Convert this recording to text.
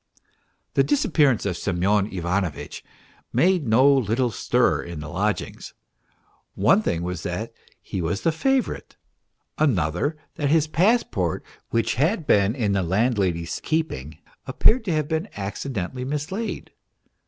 The disappearance of Semyon Ivanovitch made no little stir in the lodgings. One thing was that he was the favourite ; another, that his passport, which had been in the landlady's keeping, appeared to have been accidentally mislaid.